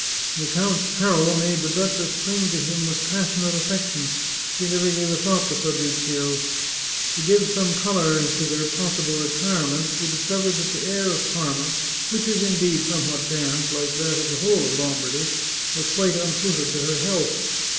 The count's peril made the duchess cling to him with passionate affection ; she never gave a thought to Fabrizio. To give some colour to their possible retirement, she discovered that the air of Parma, which is, indeed, somewhat damp, like that of the whole of Lombardy, was quite unsuited to her health.